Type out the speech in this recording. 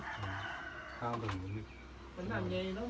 ก๋วเต๋าขึ้นไปเปลี่ยนแม่งมั้นพวกพี่เจียต